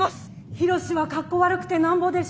ヒロシはかっこ悪くてなんぼでしょ。